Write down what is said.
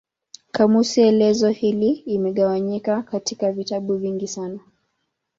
Kamusi elezo hii imegawanyika katika vitabu vingi sana.